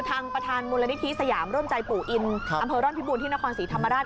ทางประธานมูลนิธิสยามร่วมใจปู่อินอำเภอร่อนพิบูรณที่นครศรีธรรมราช